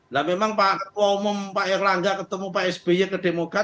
nah memang pak ketua umum pak erlangga ketemu pak sby ke demokrat